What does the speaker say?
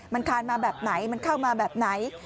มันคานมาแบบไหนมันเข้ามาแบบไหน